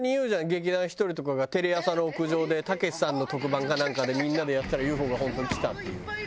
劇団ひとりとかがテレ朝の屋上でたけしさんの特番かなんかでみんなでやってたらＵＦＯが本当に来たっていう。